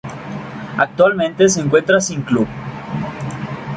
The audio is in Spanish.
Actualmente se encuentra Sin Club.